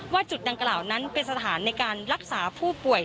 จุดดังกล่าวนั้นเป็นสถานในการรักษาผู้ป่วย